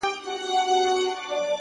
هيواد مي هم په ياد دى؛